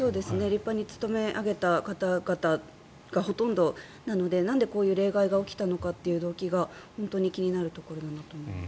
立派に務め上げられた方々がほとんどなのでなんで、こういう例外が起きたという動機が本当に気になるところだなと思います。